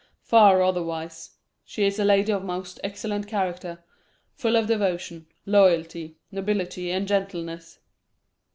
Far otherwise. She is a lady of most excellent character full of devotion, loyalty, nobility, and gentleness.